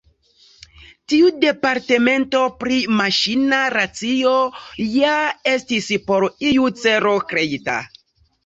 Tiu departemento pri Maŝina Racio ja estis por iu celo kreita.